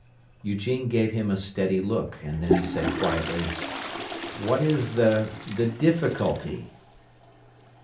Eugene gave him a steady look, and then he quietly: "What is the—the difficulty?"